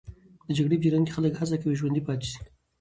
د جګړې په جریان کې خلک هڅه کوي ژوندي پاتې سي.